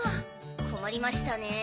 困りましたね。